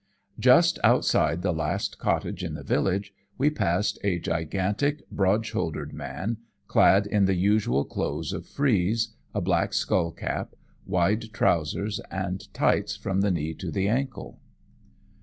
"Just outside the last cottage in the village we passed a gigantic, broad shouldered man, clad in the usual clothes of frieze, a black skullcap, wide trousers, and tights from the knee to the ankle.